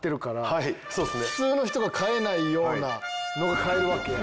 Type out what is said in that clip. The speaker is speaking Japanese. はいそうっすね。普通の人が買えないようなのが買えるわけよ。